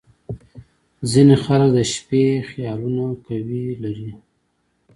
• ځینې خلک د شپې خیالونه قوي لري.